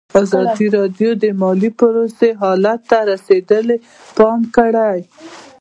ازادي راډیو د مالي پالیسي حالت ته رسېدلي پام کړی.